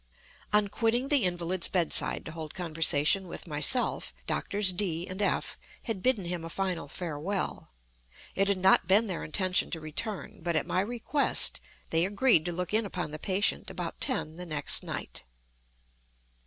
On quitting the invalid's bed side to hold conversation with myself, Doctors D—— and F—— had bidden him a final farewell. It had not been their intention to return; but, at my request, they agreed to look in upon the patient about ten the next night.